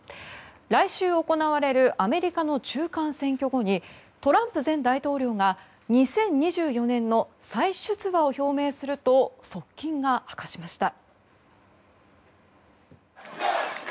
来週行われるアメリカの中間選挙後にトランプ前大統領が２０２４年の再出馬を表明すると側近が明かしました。